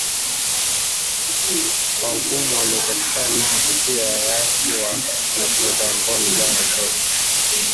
kuwahukumu waliopatikana na hatia ya kuwa na picha za ngono za watoto